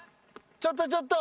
ちょっとちょっと。